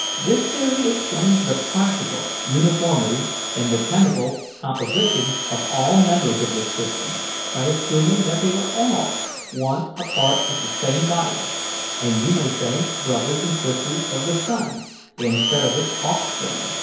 "This theory explains the practical uniformity in the chemical composition of all members of this system by assuming that they were all once a part of the same body, and you may say brothers and sisters of the sun, instead of its offspring.